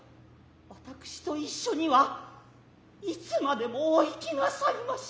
私と一所にはいつまでもお活きなさいまし。